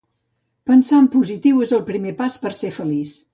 Pensar en positiu és el primer pas per a ser feliç